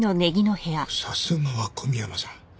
さすがは小宮山さん。